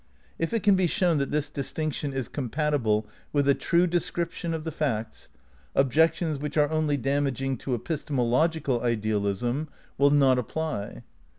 If it can be shown that this distinction is compatible with a true description of the facts, objections which are only dam aging to epistemological idealism will not apply.